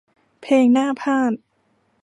เพลงหน้าพาทย์